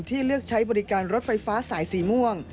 เลือกใช้บริการรถไฟฟ้าสายสีม่วง